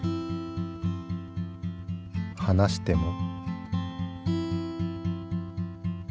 離しても。